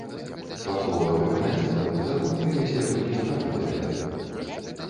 Па словах эканамістаў, закон прынясе толькі страты дзяржаве.